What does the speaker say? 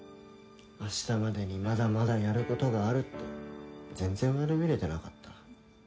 あしたまでにまだまだやることがあるって全然悪びれてなかった。